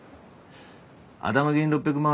頭金６００万